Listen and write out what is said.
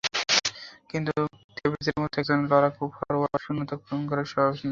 কিন্তু তেভেজের মতো একজন লড়াকু ফরোয়ার্ডের শূন্যতা পূরণ করা সহজ নয়।